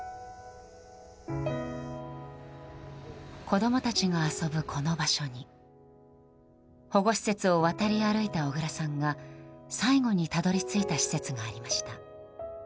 子供たちが遊ぶ、この場所に保護施設を渡り歩いた小倉さんが最後にたどり着いた施設がありました。